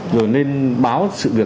rồi nên báo sự quyền